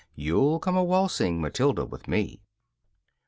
You'll come a waltzing Matilda with me.'